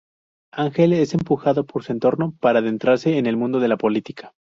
Ángel es empujado por su entorno para adentrarse en el mundo de la política.